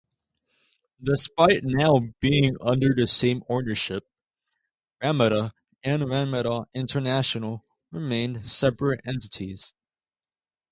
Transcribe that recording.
Despite now being under the same ownership, Ramada and Ramada International remained separate entities.